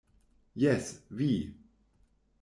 Jes, vi.